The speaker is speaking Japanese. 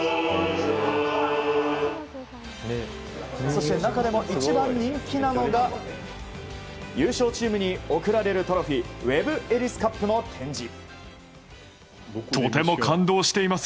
そして中でも一番人気なのが優勝チームに贈られるトロフィーウェブ・エリス・カップの展示。